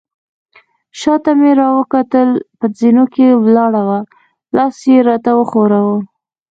شاته مې راوکتل، په زینو کې ولاړه وه، لاس يې راته وښوراوه.